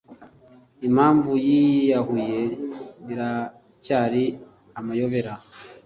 Impamvu yiyahuye biracyari amayobera